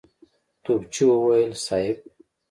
توپچي وويل: صېب!